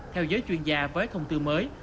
theo giới chuyên gia với thông tư mới